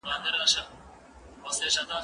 زه به ليکلي پاڼي ترتيب کړي وي!.